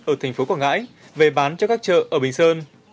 ở thành phố quảng ngãi về bán cho các chợ ở bình sơn